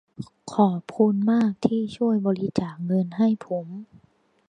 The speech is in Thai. ขอบคุณมากที่ช่วยบริจาคเงินให้ผม